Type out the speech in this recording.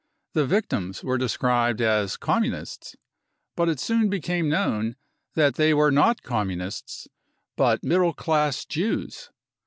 The victims were described as Communists. But it soon became known that they were not Communists, but middle class Jews.